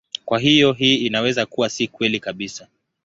Kwa hiyo hii inaweza kuwa si kweli kabisa.